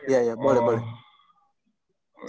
ya ya boleh boleh